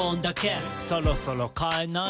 「そろそろ変えない？